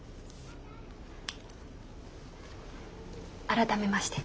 改めまして。